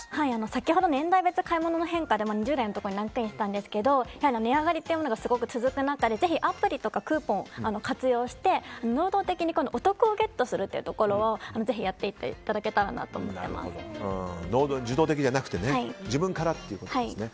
先ほど年代別買い物の変化で２０代のところにランクインしたんですけど値上がりというのがすごく続く中でぜひ、アプリやクーポンを活用していただいて能動的にお得をゲットするというところぜひやっていっていただけたらな受動的じゃなくて自分からということですね。